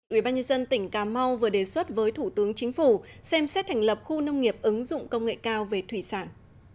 ubnd tỉnh cà mau vừa đề xuất với thủ tướng chính phủ xem xét thành lập khu nông nghiệp ứng dụng công nghệ cao về thủy sản